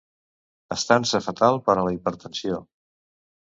Estança fatal per a la hipertensió.